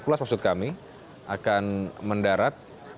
tempat nantinya hercules akan mendarat